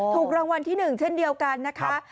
ถูกรางวัลที่๑เช่นเดียวกันนะคะ